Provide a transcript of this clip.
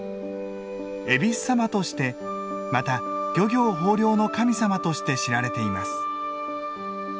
えびす様としてまた漁業豊漁の神様として知られています。